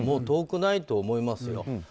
遠くないと思いますよ。